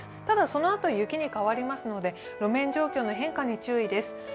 ただ、そのあとは雪に変わりますので路面状況の変化に注意です。